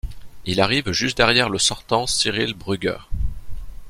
Il arrive juste derrière le sortant Cyrill Brügger.